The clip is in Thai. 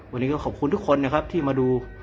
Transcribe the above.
วันนี้ก็ขอบคุณทุกคนนะครับที่มาดู